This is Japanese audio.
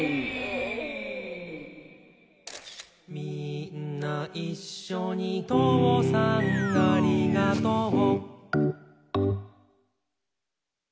「みーんないっしょにとうさんありがとう」